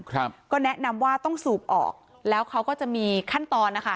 ครับก็แนะนำว่าต้องสูบออกแล้วเขาก็จะมีขั้นตอนนะคะ